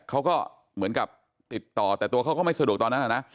เขาก็เหมือนกับติดต่อแต่ตัวเขาก็ไม่สะดวกตอนนั้นนะ